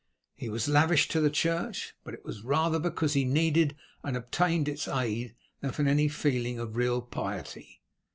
He was lavish to the church, but it was rather because he needed and obtained its aid than from any feeling of real piety.